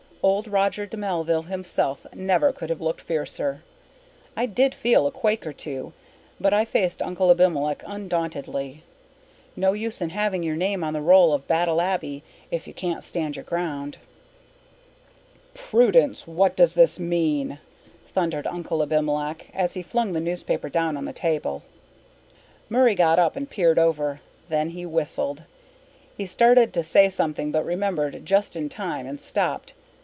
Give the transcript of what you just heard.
Old Roger de Melville himself never could have looked fiercer. I did feel a quake or two, but I faced Uncle Abimelech undauntedly. No use in having your name on the roll of Battle Abbey if you can't stand your ground. "Prudence, what does this mean?" thundered Uncle Abimelech, as he flung the newspaper down on the table. Murray got up and peered over. Then he whistled. He started to say something but remembered just in time and stopped.